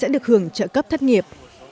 đừng trợ cấp thất nghiệp